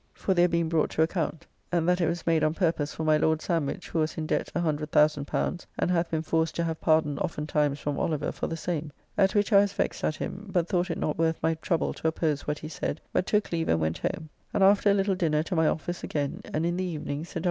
] for their being brought to account; and that it was made on purpose for my Lord Sandwich, who was in debt L100,000, and hath been forced to have pardon oftentimes from Oliver for the same: at which I was vexed at him, but thought it not worth my trouble to oppose what he said, but took leave and went home, and after a little dinner to my office again, and in the evening Sir W.